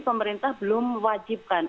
pemerintah belum mewajibkan